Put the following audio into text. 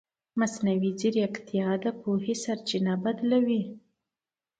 مصنوعي ځیرکتیا د پوهې سرچینه بدله کوي.